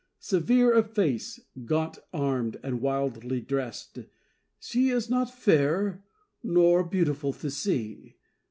Severe of face, gaunt armed, and wildly dressed, She is not fair nor beautiful to see.